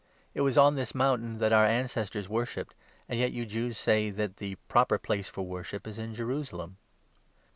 19 " It was on this mountain that our ancestors worshipped ; 20 and yet you Jews say that the proper place for worship is in Jerusalem."